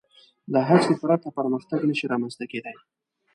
له هڅې پرته پرمختګ نهشي رامنځ ته کېدی.